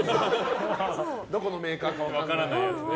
どこのメーカーか分からないやつね。